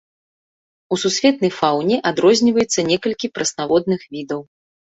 У сусветнай фаўне адрозніваецца некалькі прэснаводных відаў.